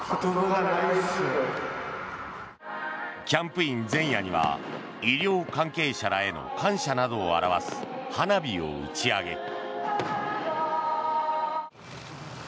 キャンプイン前夜には医療関係者らへの感謝などを表す花火を打ち上げ。